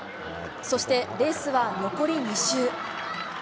そしてレースは残り２周。